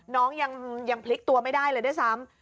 น้องยังพลิกตัวไม่ได้เลยด้วยซ้ำ